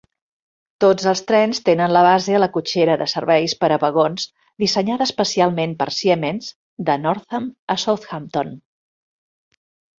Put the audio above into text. Tots els trens tenen la base a la cotxera de serveis per a vagons dissenyada especialment per Siemens de Northam, a Southampton.